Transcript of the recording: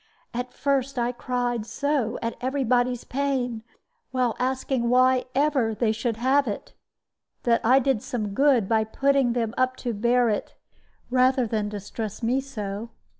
At first I cried so at every body's pain, while asking why ever they should have it, that I did some good by putting them up to bear it rather than distress me so.